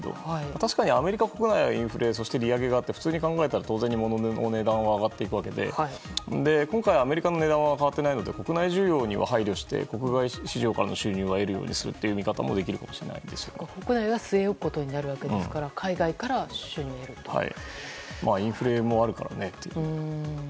確かにアメリカ国内はインフレそして利上げがあったて普通に考えて物の値段は上がって今回アメリカの値段は変わっていないので国内需要には配慮して、国外市場からの収入は得るようにするという国内は据え置くわけですからインフレもあるからねという。